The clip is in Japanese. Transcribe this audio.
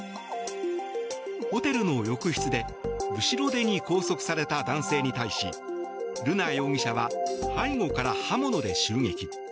ホテルの浴室で後ろ手に拘束された男性に対し瑠奈容疑者は背後から刃物で襲撃。